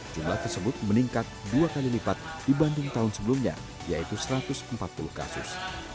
jumlah tersebut meningkat dua kali lipat dibanding tahun sebelumnya yaitu satu ratus empat puluh kasus